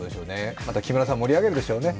また木村さん盛り上げるでしょうね、